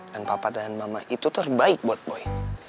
dan papa dan mama itu terbaik buat boy